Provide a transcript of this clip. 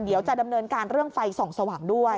เดี๋ยวจะดำเนินการเรื่องไฟส่องสว่างด้วย